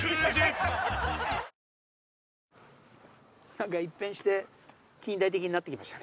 何か一変して近代的になってきました。